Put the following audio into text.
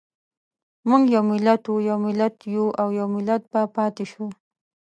موږ یو ملت وو، یو ملت یو او يو ملت به پاتې شو.